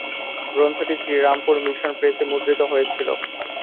গ্রন্থটি শ্রীরামপুর মিশন প্রেসে মুদ্রিত হয়েছিল।